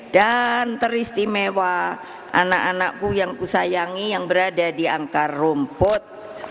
dan peristimewa anak anakku yang kusayangi yang berada di angkar rumput